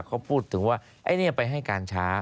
เขาพูดถึงว่าไอ้นี่ไปให้การช้า